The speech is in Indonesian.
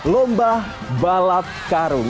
lomba balap karung